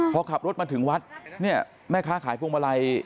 พอขับรถมาถึงวัดเนี่ยแม่ค้าขายพวงมาลัย